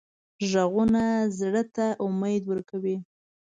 غږونه زړه ته امید ورکوي